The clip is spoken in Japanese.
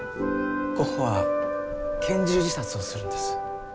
ゴッホは拳銃自殺をするんです。